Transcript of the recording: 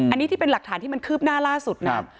อันนี้ที่เป็นหลักฐานที่มันคืบหน้าล่าสุดนะ